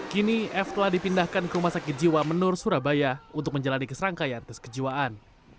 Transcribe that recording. kini f telah dipindahkan ke rumah sakit jiwa menur surabaya untuk menjalani keserangkaian tes kejiwaan